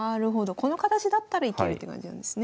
この形だったらいけるって感じなんですね。